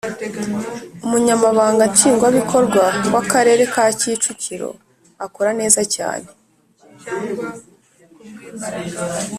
Umunyamabanga Nshingwabikorwa w Akarere ka kicukiro akora neza cyane